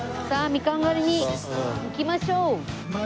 さあミカン狩りに行きましょう。